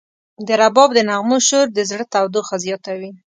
د رباب د نغمو شور د زړه تودوخه زیاتوي.